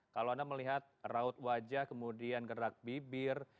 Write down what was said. kalau anda melihat raut wajah kemudian gerak bibir